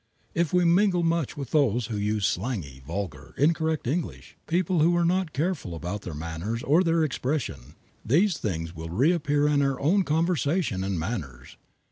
If we mingle much with those who use slangy, vulgar, incorrect English, people who are not careful about their manners or their expression, these things will reappear in our own conversation and manners.